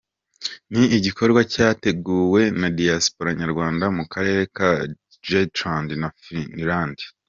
Ni igikorwa cyateguwe na Diaspora nyarwanda mu Karere ka Jutland na Fyn.